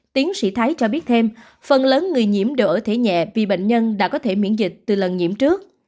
tiến sĩ thái cho biết thêm phần lớn người nhiễm đều ở thể nhẹ vì bệnh nhân đã có thể miễn dịch từ lần nhiễm trước